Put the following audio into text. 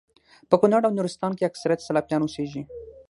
په کونړ او نورستان کي اکثريت سلفيان اوسيږي